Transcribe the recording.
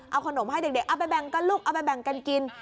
เอาขนมให้เด็กเอาไปแบ่งกันลูกเอาไปแบ่งกันกิน